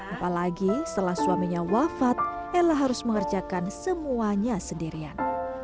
apalagi setelah suaminya wafat ella harus mengerjakan semuanya sendirian